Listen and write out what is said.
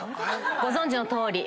ご存じのとおり。